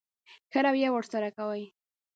ښه رويه ورسره کوئ.